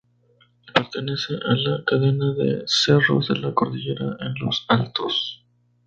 Pertenece a la cadena de cerros de la Cordillera de los Altos.